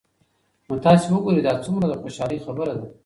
نو تاسي وګورئ دا څومره د خوشحالۍ خبره ده